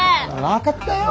分かったよ。